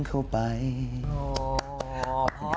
ขอบคุณครับ